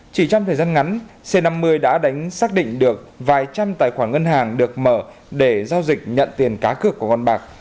chỉ trong thời gian ngắn c năm mươi đã xác định được vài trăm tài khoản ngân hàng được mở để giao dịch nhận tiền cá cược của con bạc